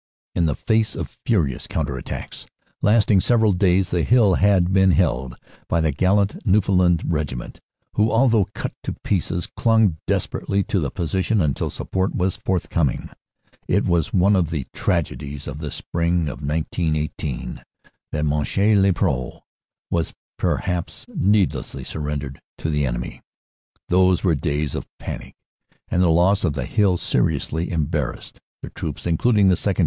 In the face of furious counter attacks lasting several days the hill had then been held by the gallant Newfoundland Regiment, who although cut to pieces clung desperately to the position until support was forthcoming. It was one of the tragedies of the spring of 1918 that Monchy le Preux was per haps needlessly surrendered to the enemy. Those were days of panic and the loss of the hill seriously embarrassed the troops, including the 2nd.